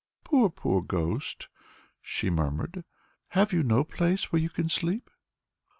"Poor, poor ghost," she murmured; "have you no place where you can sleep?"